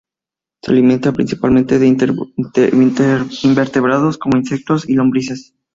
Se alimente principalmente de invertebrados, como insectos y lombrices.